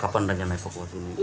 kapan danyanya naik pokoknya